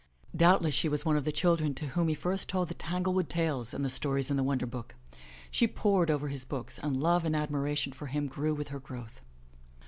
Doubtless she was one of the children to whom he first told the Tanglewood Tales and the stories in the Wonder Book. She pored over his books, and love and admiration for him grew with her growth.